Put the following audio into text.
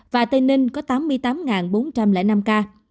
và tây ninh có tám mươi tám bốn trăm linh năm ca